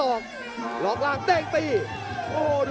โอ้โหไม่พลาดกับธนาคมโด้แดงเขาสร้างแบบนี้